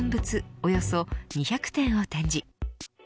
およそ２００点を展示。